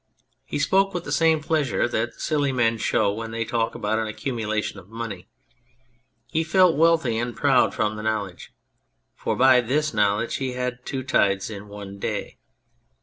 He spoke with the same pleasure that silly men show when they talk about an accumulation of money. He felt wealthy and proud from the know ledge, for by this knowledge he had two tides in one day.